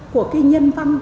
của cái nhân văn